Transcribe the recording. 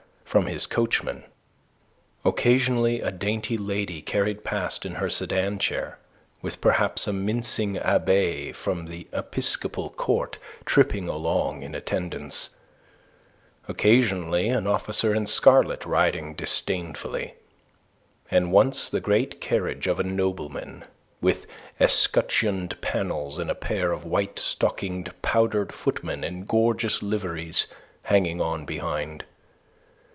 from his coachman; occasionally a dainty lady carried past in her sedan chair, with perhaps a mincing abbe from the episcopal court tripping along in attendance; occasionally an officer in scarlet riding disdainfully; and once the great carriage of a nobleman, with escutcheoned panels and a pair of white stockinged, powdered footmen in gorgeous liveries hanging on behind.